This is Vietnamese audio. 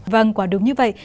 vâng quả đúng như vậy